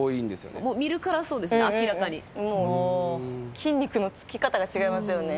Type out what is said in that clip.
筋肉のつき方が違いますよね。